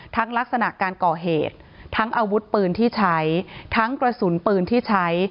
ลักษณะการก่อเหตุทั้งอาวุธปืนที่ใช้ทั้งกระสุนปืนที่ใช้